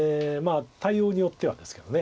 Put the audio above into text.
対応によってはですけど。